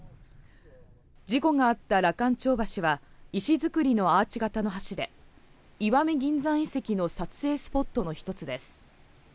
事故があった羅漢町橋は石造りのアーチ型の橋で、石見銀山遺跡の撮影スポットの一つです。